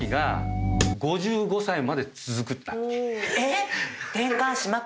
えっ